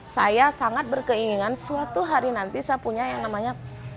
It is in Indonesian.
saya sangat berkeinginan suatu hari nanti saya punya yang namanya